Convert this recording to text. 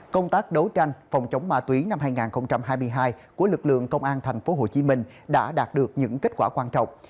công tác đấu tranh phòng chống ma túy năm hai nghìn hai mươi hai của lực lượng công an thành phố hồ chí minh đã đạt được những kết quả quan trọng